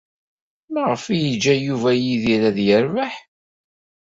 Maɣef ay yeǧǧa Yuba Yidir ad yerbeḥ?